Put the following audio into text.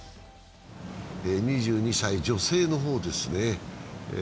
２２歳、女性の方ですね。